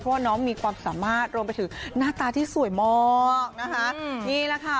เพราะว่าน้องมีความสามารถรวมไปถึงหน้าตาที่สวยมากนะคะนี่แหละค่ะ